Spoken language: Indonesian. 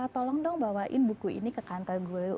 tolong dong bawain buku ini ke kantor gue